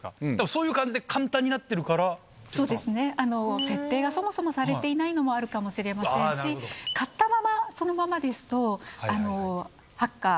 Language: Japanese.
そういう感じで、そうですね、設定がそもそもされていないのもあるかもしれませんし、買ったまま、そのままですと、ハッカー、